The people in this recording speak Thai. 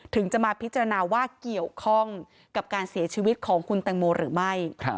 ถึงจะมาพิจารณาว่าเกี่ยวข้องกับการเสียชีวิตของคุณแตงโมหรือไม่